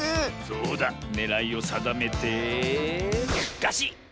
そうだねらいをさだめてガシッ！